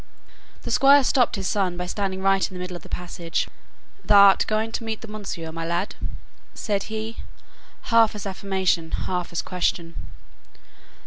The Squire stopped his son by standing right in the middle of the passage. "Thou'rt going to meet the mounseer, my lad?" said he, half as affirmation, half as question.